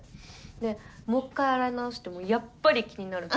でもう一回洗い直してもやっぱり気になるって。